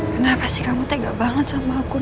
kenapa sih kamu tega banget sama aku noh